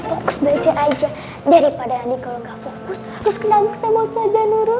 fokus belajar aja daripada kalau ga fokus harus ke nahut kayak mau saja nuruhi